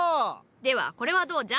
ではこれはどうじゃ？